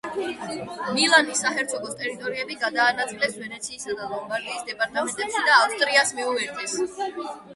მილანის საჰერცოგოს ტერიტორიები გადაანაწილეს ვენეციისა და ლომბარდიის დეპარტამენტებში და ავსტრიას მიუერთეს.